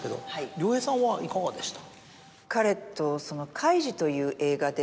亮平さんはいかがでした？